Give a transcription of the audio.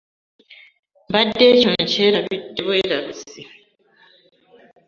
Mbadde ekyo nkyerabidde bwerabizi.